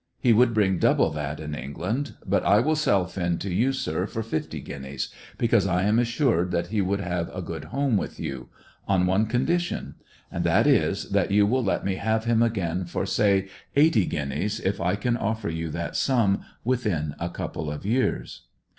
He would bring double that in England. But I will sell Finn to you, sir, for fifty guineas, because I am assured that he would have a good home with you on one condition; and that is that you will let me have him again for, say, eighty guineas, if I can offer you that sum within a couple of years."